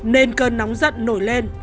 nên cơn nóng giận nổi lên